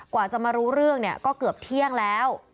กว่าจะมารู้เรื่องเนี่ยก็เกือบเที่ยงแล้ว